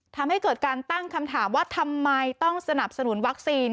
ทำให้เกิดการตั้งคำถามว่าทำไมต้องสนับสนุนวัคซีน